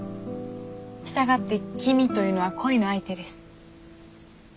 したがって君というのは恋の相手です。